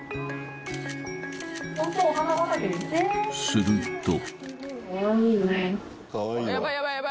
［すると］